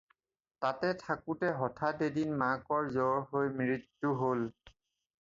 তাতে থাকোঁতে হঠাৎ এদিন মাকৰ জ্বৰ হৈ মৃত্যু হ'ল।